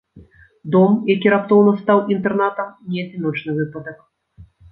Дом, які раптоўна стаў інтэрнатам, не адзіночны выпадак.